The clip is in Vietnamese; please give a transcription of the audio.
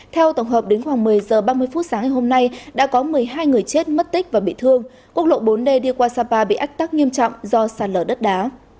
theo tổng hợp đến khoảng một mươi h ba mươi phút sáng ngày hôm nay đã có một mươi hai người chết mất tích và bị thương quốc lộ bốn d đi qua sapa bị ách tắc nghiêm trọng do sạt lở đất đá